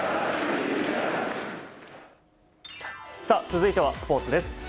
続いてはスポーツです。